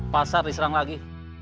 pasar diserang lagi